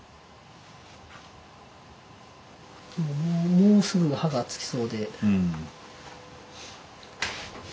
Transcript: もうすぐ刃がつきそうで。